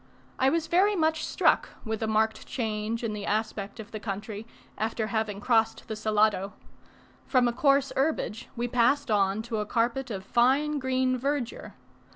I was very much struck with the marked change in the aspect of the country after having crossed the Salado. From a coarse herbage we passed on to a carpet of fine green verdure.